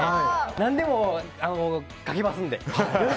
何でも描きますんで。